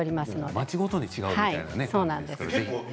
町ごとに違うみたいですからね。